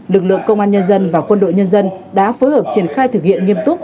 lực lượng công an nhân dân và quân đội nhân dân đã phối hợp triển khai thực hiện nghiêm túc